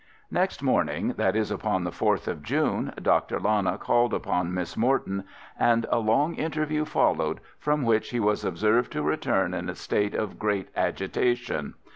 Next morning—that is, upon the 4th of June—Dr. Lana called upon Miss Morton, and a long interview followed, from which he was observed to return in a state of great agitation.